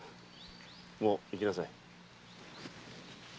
もう行きなさい。